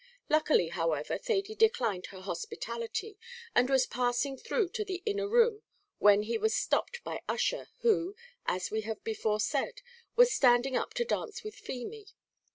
Luckily, however, Thady declined her hospitality, and was passing through to the inner room when he was stopped by Ussher, who, as we have before said, was standing up to dance with Feemy.